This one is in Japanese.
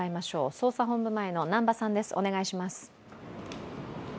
捜査本部前の南波さんです。